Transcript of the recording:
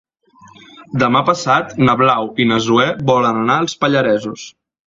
Demà passat na Blau i na Zoè volen anar als Pallaresos.